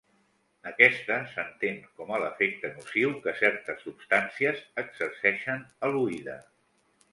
Aquesta s'entén com a l'efecte nociu que certes substàncies exerceixen a l'oïda.